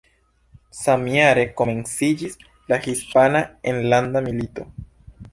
Samjare komenciĝis la Hispana Enlanda Milito.